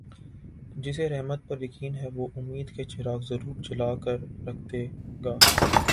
جسے رحمت پر یقین ہے وہ امید کے چراغ ضرور جلا کر رکھے گا